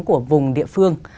của vùng địa phương